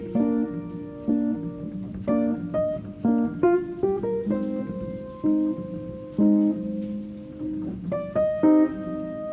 yaudah aku berangkat ya